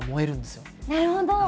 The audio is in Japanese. なるほど！